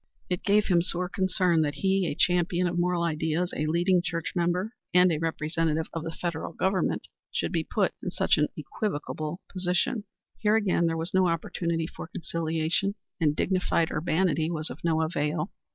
It gave him sore concern that he, a champion of moral ideas, a leading church member, and a Representative of the Federal Government should be put in such an equivocal position. Here again there was no opportunity for conciliation, and dignified urbanity was of no avail.